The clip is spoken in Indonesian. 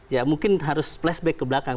ya mungkin harus flashback ke belakang